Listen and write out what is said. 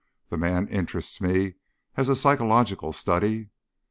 The man interests me as a psychological study.